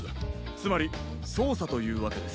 つまりそうさというわけです。